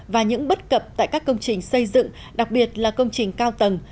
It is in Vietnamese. và những bất cập tại các công trình xây dựng đặc biệt là công trình cao tầng